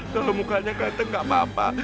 kalau mukanya kelenteng gak apa apa